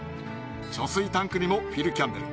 貯水タンクにも「フィル・キャンベル」。